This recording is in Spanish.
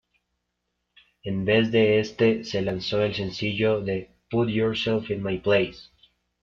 En vez de este, se lanzó el sencillo de "Put yourself in my place".